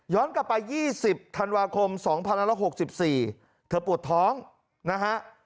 กลับไป๒๐ธันวาคม๒๑๖๔เธอปวดท้องนะฮะ